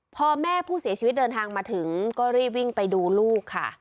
พอแม่ผู้เสียชีวิตเดินทางมาถึงก็รีบวิ่งไปดูลูกค่ะ